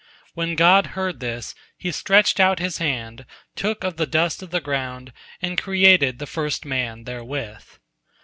When God heard this, He stretched out His hand, took of the dust of the ground, and created the first man therewith.